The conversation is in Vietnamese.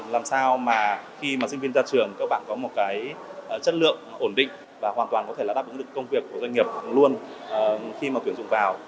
làm sao mà khi mà sinh viên ra trường các bạn có một cái chất lượng ổn định và hoàn toàn có thể là đáp ứng được công việc của doanh nghiệp luôn khi mà tuyển dụng vào